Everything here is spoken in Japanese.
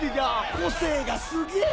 個性がすげぇ！